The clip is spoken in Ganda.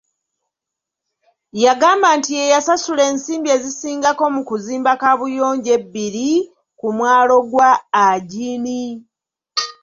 Yagamba nti ye yasasula ensimbi ezisingako mu kuzimba kaabuyonjo ebbiri ku mwalo gwa Ajini.